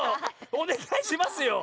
おねがいしますよ！